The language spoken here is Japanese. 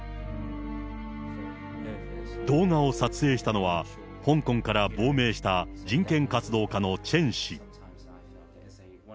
動画を撮影したのは、香港から亡命した人権活動家のチェン氏。